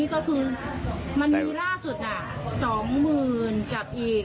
ก็คือต้องเช็คท้า้วให้ดี